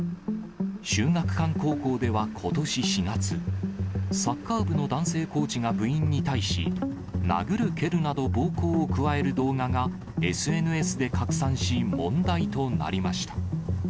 秀岳館高校ではことし４月、サッカー部の男性コーチが部員に対し、殴る蹴るなど、暴行を加える動画がＳＮＳで拡散し、問題となりました。